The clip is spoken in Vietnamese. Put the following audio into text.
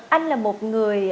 anh là một người đã